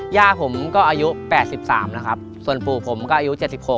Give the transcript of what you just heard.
ย่าผมก็อายุ๘๓นะครับส่วนปู่ผมก็อายุ๗๖